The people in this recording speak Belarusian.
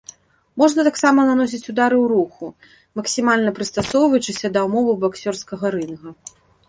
Можна таксама наносіць ўдары ў руху, максімальна прыстасоўваючыся да ўмоў баксёрскага рынга.